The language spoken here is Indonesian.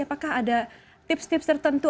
apakah ada tips tips tertentu